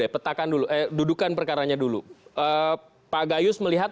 perkenoper parachut kondisi sudah tidak bisa daftar bukan perkaranya dulu eh paga you pleasure melihat